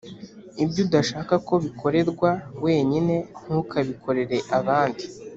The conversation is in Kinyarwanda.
ibyo udashaka ko bikorerwa wenyine, ntukabikorere abandi.”